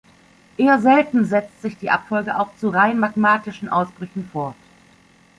Eher selten setzt sich die Abfolge auch zu rein magmatischen Ausbrüchen fort.